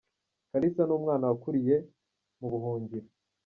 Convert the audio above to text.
Kalisa ni umwana wakuriye m’ubuhungiro.